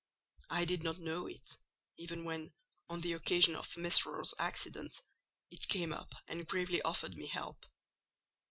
I did not know it, even when, on the occasion of Mesrour's accident, it came up and gravely offered me help.